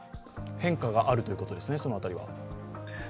変化があるということですね、その辺りは。